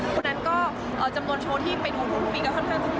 คือตารางของโชว์โภธูมันค่อนข้างจะแพ็คค่ะ